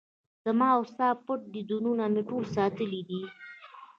زما وستا پټ دیدنونه مې ټول ساتلي دي